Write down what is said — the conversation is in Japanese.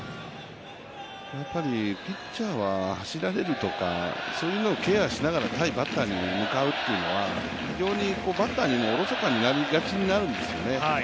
ピッチャーは走られるとか、そういうのをケアしながら対バッターに向かうというのはバッターにもおろそかになりがちになるんですよね。